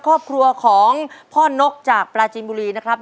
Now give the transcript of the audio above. ครอบครัวของพ่อนกจากปลาจีนบุรีนะครับ